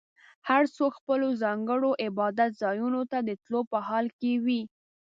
هر څوک خپلو ځانګړو عبادت ځایونو ته د تلو په حال کې وي.